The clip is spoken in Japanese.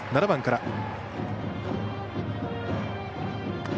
７番から。